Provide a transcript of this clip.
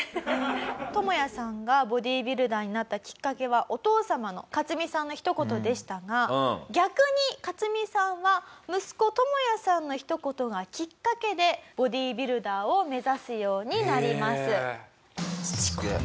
トモヤさんがボディビルダーになったきっかけはお父様のカツミさんのひと言でしたが逆にカツミさんは息子トモヤさんのひと言がきっかけでボディビルダーを目指すようになります。